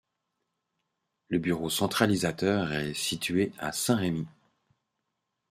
Le bureau centralisateur est situé à Saint-Rémy.